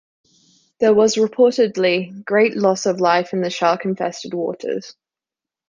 There was, reportedly, great loss of life in the shark-infested waters.